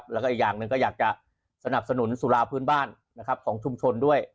แล้วก็อีกอย่างหนึ่งก็อยากจะสนับสนุนสุราพื้นบ้านของชุมชนด้วย